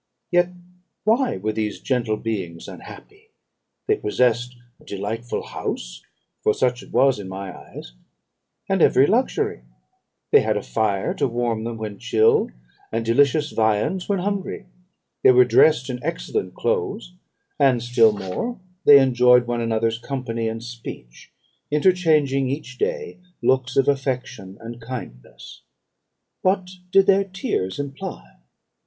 Yet why were these gentle beings unhappy? They possessed a delightful house (for such it was in my eyes) and every luxury; they had a fire to warm them when chill, and delicious viands when hungry; they were dressed in excellent clothes; and, still more, they enjoyed one another's company and speech, interchanging each day looks of affection and kindness. What did their tears imply?